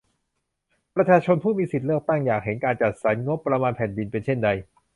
ประชาชนผู้มีสิทธิ์เลือกตั้งอยากเห็นการจัดสรรงบประมาณแผ่นดินเป็นเช่นใด ?